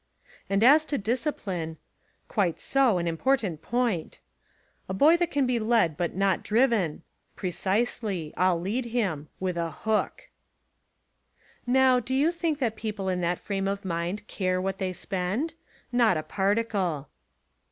And as to discipline — quite so, an im portant point — a boy that can be led but not driven — ^precisely — I'll lead him — with a hook!" Now, do you think that people in that frame of mind care what they spend? Not a particle.